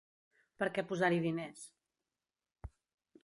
Per què posar-hi diners?